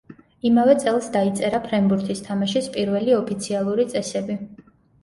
იმავე წელს დაიწერა ფრენბურთის თამაშის პირველი ოფიციალური წესები.